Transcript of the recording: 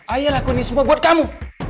ayah lakuin ini semua buat kamu